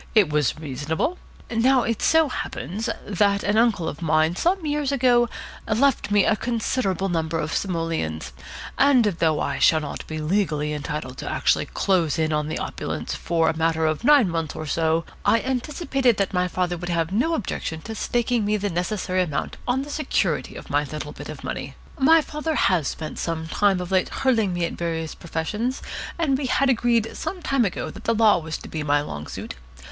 It was reasonable. Now it so happens that an uncle of mine some years ago left me a considerable number of simoleons, and though I shall not be legally entitled actually to close in on the opulence for a matter of nine months or so, I anticipated that my father would have no objection to staking me to the necessary amount on the security of my little bit of money. My father has spent some time of late hurling me at various professions, and we had agreed some time ago that the Law was to be my long suit.